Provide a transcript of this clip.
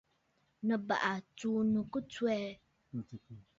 Nɨ̀ bàrà tsuu ɨnnù ki tswɛɛ.